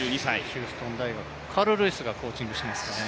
ヒューストン大学、カール・ルイスがコーチングしていますね。